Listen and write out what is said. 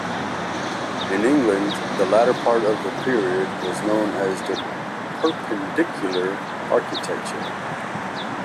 In England the later part of the period is known as Perpendicular architecture.